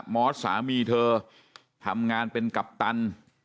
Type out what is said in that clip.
มอสสามีเธอทำงานเป็นกัปตัน